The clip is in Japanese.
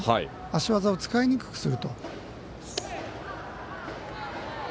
足技を使いにくくすると。